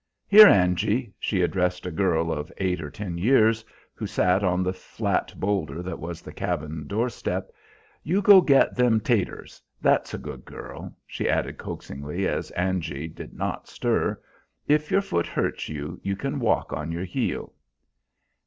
"Here, Angy," she addressed a girl of eight or ten years who sat on the flat boulder that was the cabin doorstep; "you go get them taters; that's a good girl," she added coaxingly, as Angy did not stir. "If your foot hurts you, you can walk on your heel."